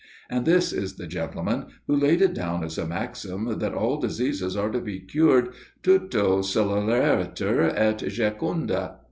And this is the gentleman who laid it down as a maxim, that all diseases are to be cured "Tuto, celeriter et jucunde."